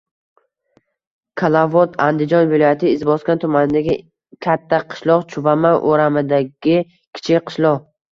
Kalavot - Andijon viloyati Izboskan tumanidagi katta qishloq-Chuvama o‘ramidagi kichik qishloq.